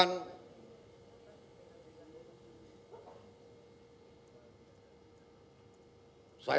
dan juga kekuatannya